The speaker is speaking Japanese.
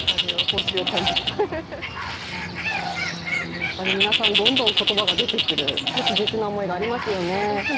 やっぱり皆さん、どんどん言葉が出てくる切実な思いがありますよね。